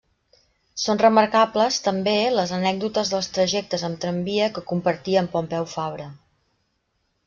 Són remarcables també les anècdotes dels trajectes amb tramvia que compartia amb Pompeu Fabra.